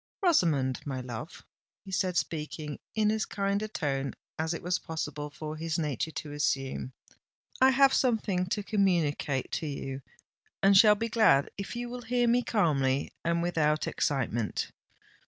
"Rosamond, my love," he said, speaking in as kind a tone as it was possible for his nature to assume, "I have something to communicate to you, and shall be glad if you will hear me calmly and without excitement.